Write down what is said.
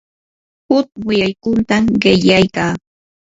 huk willakuytam qillqaykaa.